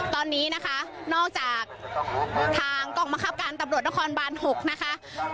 ตอนนี้นะคะนอกจากทางกองบังคับการตำรวจนครบาน๖นะคะ